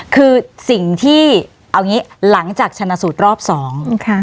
คือสิ่งที่เอางี้หลังจากชนะสูตรรอบสองค่ะ